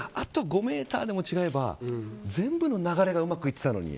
あと５ｍも違えば全部の流れがうまくいっていたのに。